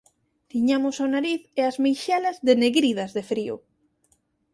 Tiñamos o nariz e as meixelas denegridas de frío.